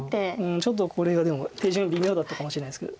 ちょっとこれがでも手順微妙だったかもしれないですけど。